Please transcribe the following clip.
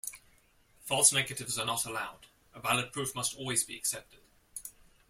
False negatives are not allowed: a valid proof must always be accepted.